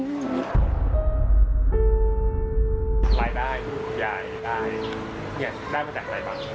รายได้ทุกขุมยายได้ได้มาจากไหนบ้าง